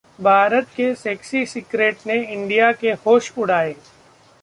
भारत के sexy secret ने India के होश उड़ाए